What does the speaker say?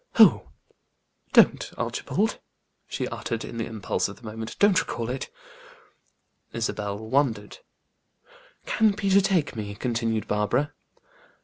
"Oh! Don't, Archibald," she uttered, in the impulse of the moment; "don't recall it." Isabel wondered. "Can Peter take me?" continued Barbara.